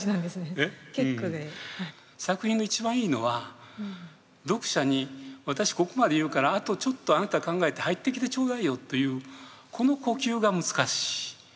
作品の一番いいのは読者に「私ここまで言うからあとちょっとあなた考えて入ってきてちょうだいよ」というこの呼吸が難しい。